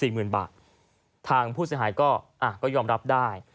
หมื่นบาททางผู้เสียหายก็อ่ะก็ยอมรับได้